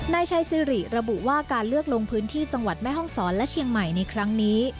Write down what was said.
นายชัยซิริระบุว่าการเลือกลงพื้นที่จังหวัดแม่ห้องศรและเชียงใหม่ในครั้งนี้